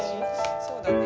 そうだね。